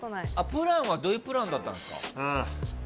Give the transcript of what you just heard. プランはどんなプランだったんですか？